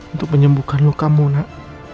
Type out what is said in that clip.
untuk menyembuhkan lukamu nak